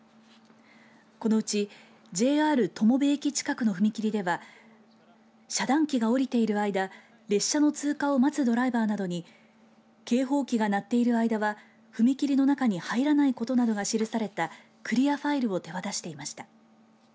このうちＪＲ友部駅近くの踏切では遮断機が下りている間列車の通過を待つドライバーなどに警報機が鳴っている間は踏切の中に入らないことなどが記されたクリアファイルを手渡していました。